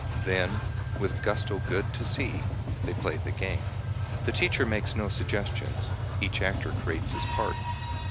Then, with gusto good to see, they play the game. The teacher makes no suggestions; each actor creates his part.